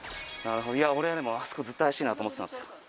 俺あそこずっと怪しいなと思ってたんですよ。